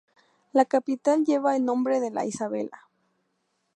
La capital lleva el nombre de la Isabela.